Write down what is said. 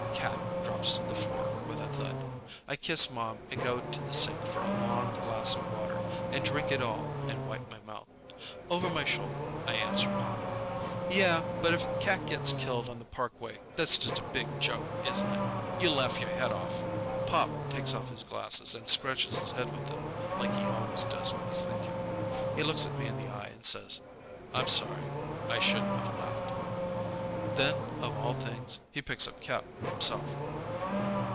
Cat drops to the floor with a thud. I kiss Mom and go to the sink for a long glass of water and drink it all and wipe my mouth. Over my shoulder, I answer Pop: "Yeah, but if Cat gets killed on the parkway, that's just a big joke, isn't it? You laugh your head off!" Pop takes off his glasses and scratches his head with them, like he always does when he's thinking. He looks me in the eye and says, "I'm sorry. I shouldn't have laughed." Then, of all things, he picks up Cat himself.